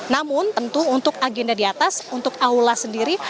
namun tentu untuk agenda di atas untuk aula sendiri